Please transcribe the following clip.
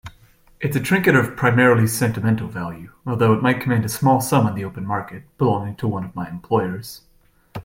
It's a trinket of primarily sentimental value, although it might command a small sum on the open market, belonging to one of my employers.